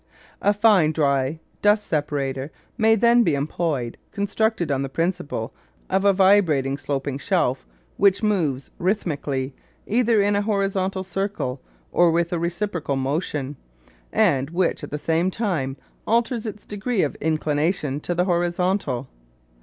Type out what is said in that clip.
A fine dry dust separator may then be employed constructed on the principle of a vibrating sloping shelf which moves rhythmically, either in a horizontal circle or with a reciprocal motion, and which at the same time alters its degree of inclination to the horizontal.